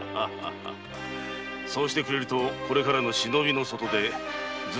そうしてくれるとこれからの忍びの外出ずっと楽になるな。